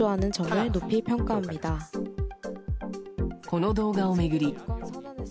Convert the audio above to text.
この動画を巡り。